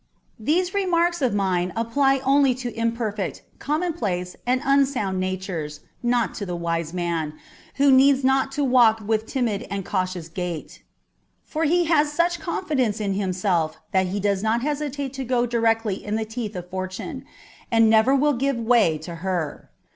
These remarks of mine apply only to imperfect, commonplace, and unsound natures, not to the wise man, who needs not to walk with timid and cautious gait : for he has such confidence in himself that he does not hesitate to go directly in the teeth of Fortune, and never will give way to her.